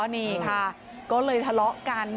นี่ค่ะก็เลยทะเลาะกัน